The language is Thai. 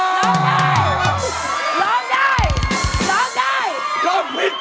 กล้องผิดครึ่ง